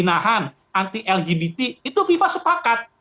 antiminuman keras antiperzinahan anti lgbt itu fifa sepakat